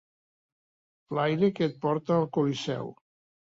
Flaire que et porta al Colisseu.